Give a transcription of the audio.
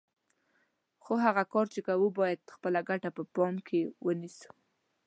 خو هغه کار چې کوو یې باید خپله ګټه په پام کې ونه نیسو.